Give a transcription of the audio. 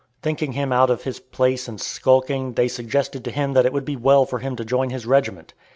Thinking him out of his place and skulking, they suggested to him that it would be well for him to join his regiment.